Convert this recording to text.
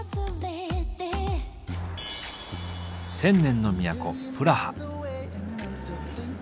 千年の都プラハ。